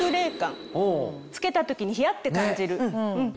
着けた時にヒヤって感じる。